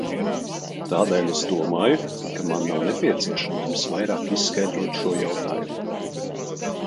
Tādēļ es domāju, ka man nav nepieciešamības vairāk izskaidrot šo jautājumu.